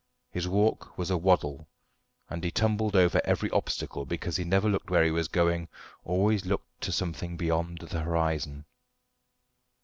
His walk was a waddle, and he tumbled over every obstacle, because he never looked where he was going, always looked to something beyond the horizon.